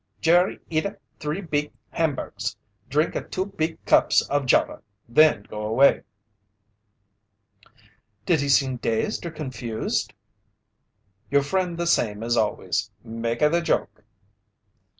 Jerry eata three beeg hamburgs, drinka two beeg cups of java, then go away." "Did he seem dazed or confused?" "Your friend the same as always. Make a the joke."